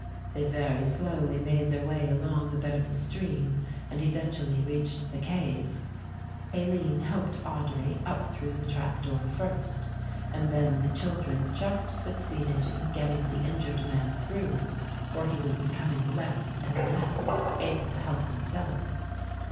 They very slowly made their way along the bed of the stream and eventually reached the cave. Aline helped Audry up through the trap door first, and then the children just succeeded in getting the injured man through, for he was becoming less and less able to help himself.